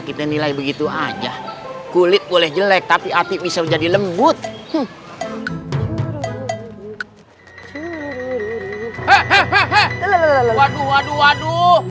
kita nilai begitu aja kulit boleh jelek tapi api bisa jadi lembut hahaha waduh waduh waduh